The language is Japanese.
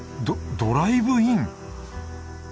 ドドライブイン。